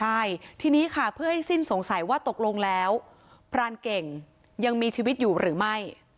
ใช่ทีนี้ค่ะเพื่อให้สิ้นสงสัยว่าตกลงแล้วพรานเก่งยังมีชีวิตอยู่หรือไม่